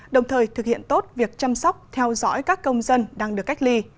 đồng thời thực hiện tốt việc chăm sóc theo dõi các công dân đang được cách ly